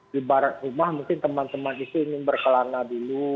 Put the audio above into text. di barat rumah mungkin teman teman itu ingin berkelana dulu